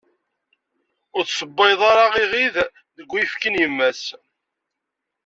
Ur tessewwayeḍ ara iɣid deg uyefki n yemma-s.